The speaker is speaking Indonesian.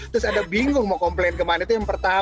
terus ada bingung mau komplain kemana itu yang pertama